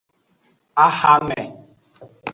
Ahame.